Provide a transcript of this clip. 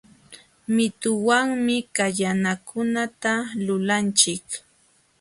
Mituwanmi kallanakunata lulanchik